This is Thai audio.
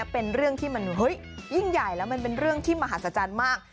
เป็นเรื่องที่มันยิ่งใหญ่แล้วมันเป็นเรื่องที่มหาศจรรย์มาก